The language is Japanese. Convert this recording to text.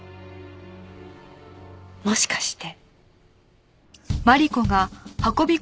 もしかして。